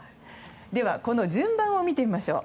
では、順番を見てみましょう。